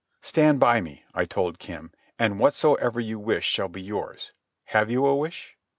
"Stand by me," I told Kim, "and whatsoever you wish shall be yours. Have you a wish?"